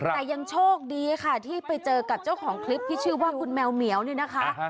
แต่ยังโชคดีค่ะที่ไปเจอกับเจ้าของคลิปที่ชื่อว่าคุณแมวเหมียวนี่นะคะ